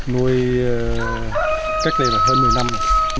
nuôi cách đây là hơn một mươi năm rồi